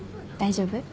大丈夫？